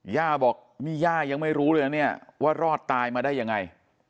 ย่าบอกนี่ย่ายังไม่รู้เลยนะเนี่ยว่ารอดตายมาได้ยังไง